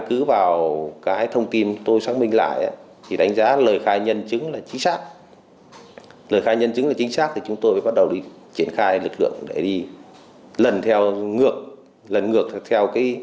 các bạn hãy đăng ký kênh để ủng hộ kênh của mình nhé